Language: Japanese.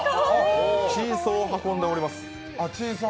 チーソーを運んでおります。